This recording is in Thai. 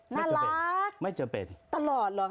น่ารักตลอดเหรอครับ